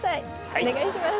お願いします。